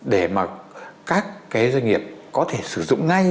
để mà các cái doanh nghiệp có thể sử dụng ngay